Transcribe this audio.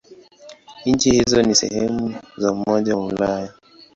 Nchi hizo si sehemu za Umoja wa Ulaya.